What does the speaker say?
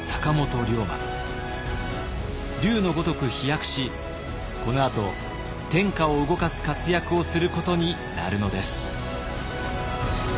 龍のごとく飛躍しこのあと天下を動かす活躍をすることになるのです。